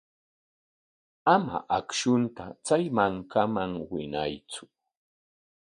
Ama akshuta chay mankaman winaytsu.